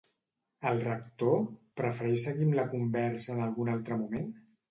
El Rector prefereix seguir amb la conversa en algun altre moment?